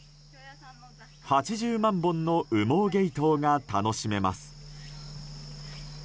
８０万本の羽毛ゲイトウが楽しめます。